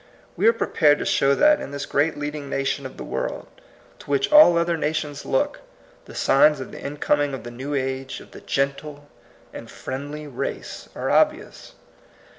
We are prepared to show that in this great leading nation of the world, to which all other nations CERTAIN CLEAR FACTS. 16 look, the signs of the incoming of the new age of the gentle and friendly race are obvious.